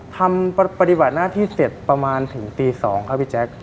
ทำปฏิบัติหน้าที่เสร็จประมาณถึงตี๒ครับพี่แจ๊ค